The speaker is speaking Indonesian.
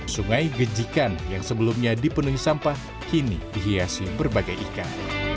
sungai gejikan yang sebelumnya dipenuhi sampah kini dihiasi berbagai ikan